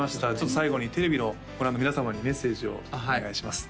最後にテレビをご覧の皆様にメッセージをお願いします